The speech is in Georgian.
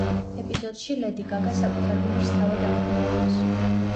ეპიზოდში ლედი გაგა საკუთარ გმირს თავად ახმოვანებს.